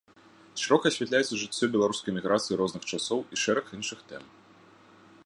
Шырока асвятляецца жыццё беларускай эміграцыі розных часоў і шэраг іншых тэм.